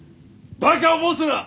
バカを申すな！